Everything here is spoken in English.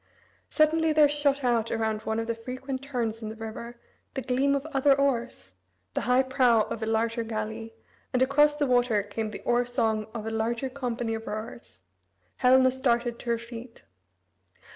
Suddenly there shot out around one of the frequent turns in the river, the gleam of other oars, the high prow of a larger galley, and across the water came the oar song of a larger company of rowers. Helena started to her feet.